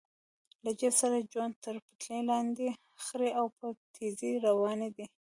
له جېپ سره جوخت تر پټلۍ لاندې خړې اوبه په تېزۍ روانې وې.